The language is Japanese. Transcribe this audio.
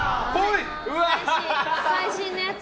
最新のやつ。